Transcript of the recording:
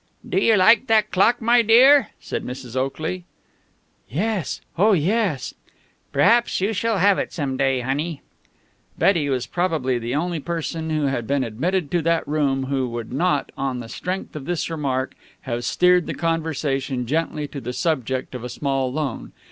"Do you like that clock, my dear?" said Mrs. Oakley. "Yes! Oh, yes!" "Perhaps you shall have it some day, honey." Betty was probably the only person who had been admitted to that room who would not, on the strength of this remark, have steered the conversation gently to the subject of a small loan.